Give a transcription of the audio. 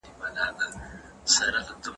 چې څومره لوړ شوی دی.